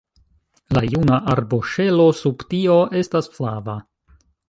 La juna arboŝelo sub tio estas flava.